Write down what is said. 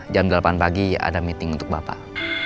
jam delapan pagi ada meeting untuk bapak